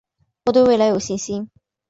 我对未来有信心